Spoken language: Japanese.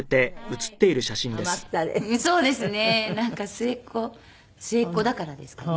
末っ子末っ子だからですかね。